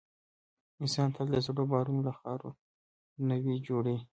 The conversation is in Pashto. انسانان تل د زړو باورونو له خاورو نوي جوړوي.